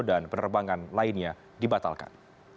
dan penerbangan lainnya dibatalkan